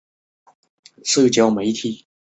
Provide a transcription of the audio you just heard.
引起在校学生的不满及社会媒体关注。